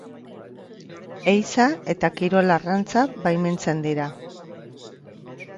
Ehiza eta kirol-arrantza baimentzen dira.